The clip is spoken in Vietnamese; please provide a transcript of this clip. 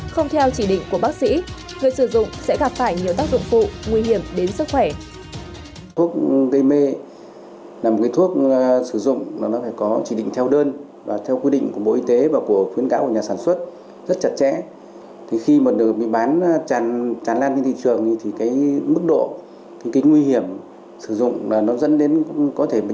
không theo chỉ định của bác sĩ người sử dụng sẽ gặp phải nhiều tác dụng phụ nguy hiểm đến sức khỏe